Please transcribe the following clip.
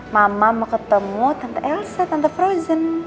mama mau ketemu tante elsa tante frozen